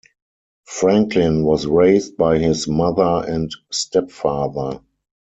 Franklin was raised by his mother and stepfather.